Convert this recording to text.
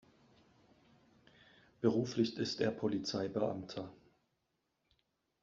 Beruflich ist er Polizeibeamter.